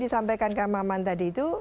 disampaikan kak maman tadi itu